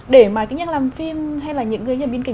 để mà những nhà làm phim hay là những nhà biên kỳ